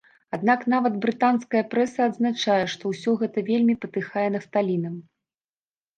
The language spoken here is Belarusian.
Аднак нават брытанская прэса адзначае, што ўсё гэта вельмі патыхае нафталінам.